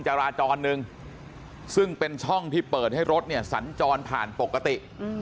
จราจรหนึ่งซึ่งเป็นช่องที่เปิดให้รถเนี่ยสัญจรผ่านปกติ